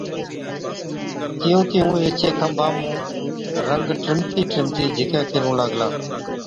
تِيُون تِيُون ايڇي کنڀا مُون رنگ ٽِمتِي ٽِمتِي جھِڪي ڪرُون لاگلا۔